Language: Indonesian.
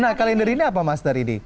nah kalender ini apa master ridi